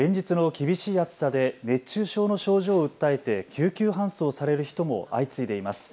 連日の厳しい暑さで熱中症の症状を訴えて救急搬送される人も相次いでいます。